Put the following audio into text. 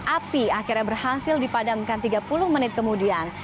api akhirnya berhasil dipadamkan tiga puluh menit kemudian